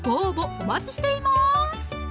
お待ちしています